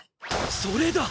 それだ！